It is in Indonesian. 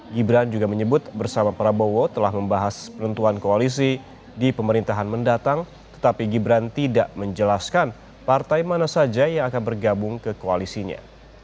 gibran juga menyebut bersama prabowo telah membahas penentuan koalisi di pemerintahan mendatang tetapi gibran tidak menjelaskan partai mana saja yang akan bergabung ke koalisinya